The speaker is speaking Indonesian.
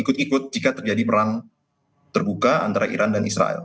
ikut ikut jika terjadi perang terbuka antara iran dan israel